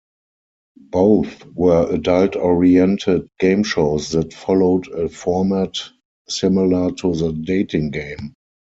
Both were adult-oriented game shows that followed a format similar to the "Dating Game".